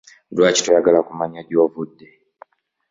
Lwaki toyagala kumanya gy'ovudde?